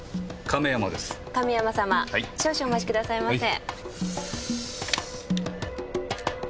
亀山様少々お待ちくださいませ。